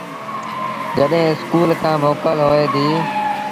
جڏهيݩ اسڪُول کآݩ موڪل هوئي ديٚ